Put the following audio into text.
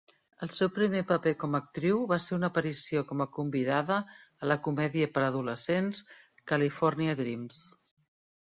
El seu primer paper com actriu va ser una aparició com a convidada a la comèdia per a adolescents "California Dreams".